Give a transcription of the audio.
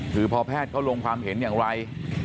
คือพอแพทย์เขาลงความเห็นอย่างไร